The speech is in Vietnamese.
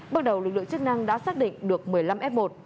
bước đầu lực lượng chức năng đã xác định được một mươi năm f một